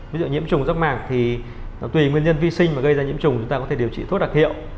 ví dụ nhiễm trùng rác mạc thì tùy nguyên nhân vi sinh mà gây ra nhiễm trùng chúng ta có thể điều trị thuốc đặc hiệu